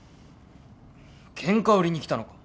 ケンカ売りに来たのか？